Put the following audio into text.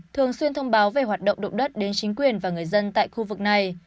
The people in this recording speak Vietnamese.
thường xuyên thông báo về hoạt động động đất đến chính quyền và người dân tại khu vực này